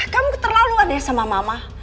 kamu keterlaluan ya sama mama